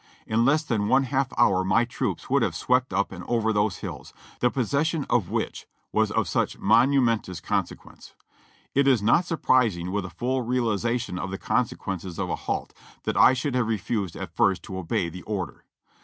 In less than one half hour my "troops would have swept up and over those hills, the posses sion of which was of such momentous consequence. It is not surprising, with a full realization of the consequences of a halt, that I shoud have refused at first to obey the order.